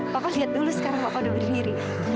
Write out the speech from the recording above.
papa lihat dulu sekarang papa udah berdiri